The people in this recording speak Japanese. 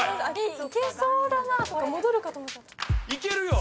いけるよ。